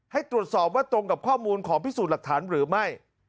ให้ตรวจสอบว่าตรงกับข้อมูลของพิสูจน์หลักฐานหรือไม่